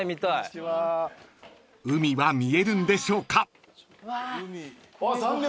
［海は見えるんでしょうか］